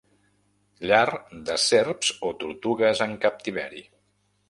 Llar de serps o tortugues en captiveri.